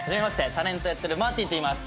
タレントやってるマーティンといいます。